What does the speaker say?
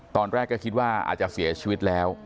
ตอนแรกก็คิดว่าอาจจะเสียชีวิตแล้ว